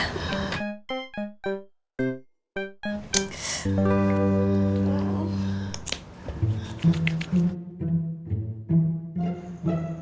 pak pelan pelan pelan pelan pelan pelan